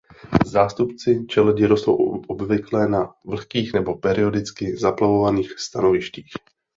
Zástupci čeledi rostou obvykle na vlhkých nebo periodicky zaplavovaných stanovištích.